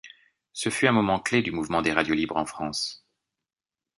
Ce fut un moment clé du mouvement des radios libres en France.